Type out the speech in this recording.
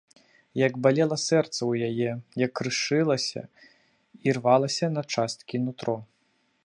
Як балела сэрца ў яе, як крышылася, ірвалася на часткі нутро!